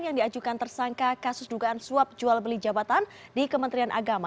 yang diajukan tersangka kasus dugaan suap jual beli jabatan di kementerian agama